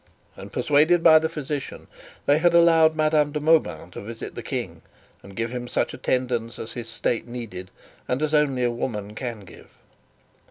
And, persuaded by the physician, they had allowed Madame de Mauban to visit the King and give him such attendance as his state needed, and as only a woman can give.